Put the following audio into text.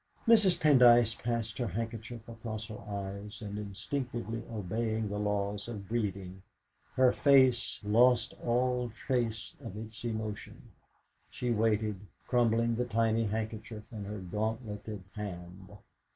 Mrs. Pendyce passed her handkerchief across her eyes, and instinctively obeying the laws of breeding, her face lost all trace of its emotion. She waited, crumpling the tiny handkerchief in her gauntleted hand.